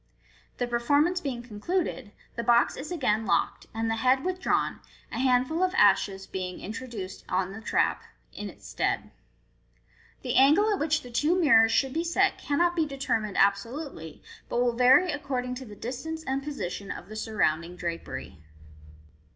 The per formance being concluded, the box is agaiu locked, and the head withdrawn, a handful of ashes b, ing introduced on the trap in its stead. The angle at which the two mirrors should be set cannot be determined absolutely, but will vary according to the distance and position of the surrounding drapery.